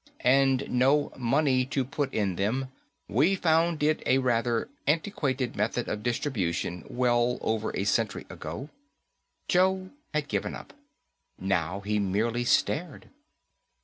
"And no money to put in them. We found it a rather antiquated method of distribution well over a century ago." Joe had given up. Now he merely stared.